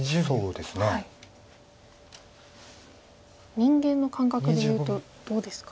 人間の感覚で言うとどうですか？